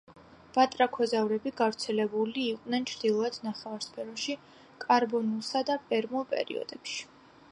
ბატრაქოზავრები გავრცელებული იყვნენ ჩრდილოეთ ნახევარსფეროში კარბონულსა და პერმულ პერიოდებში.